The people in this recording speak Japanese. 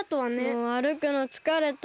もうあるくのつかれた。